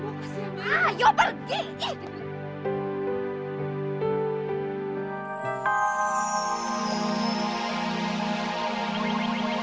aku salah mencintai kamu